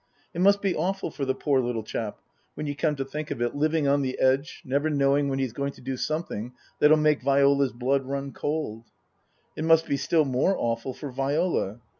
It must be awful for the poor little chap, when you come to think of it, living on the edge, never knowing when he's going to do something that'll make Viola's blood run cold." " It must be still more awful for Viola."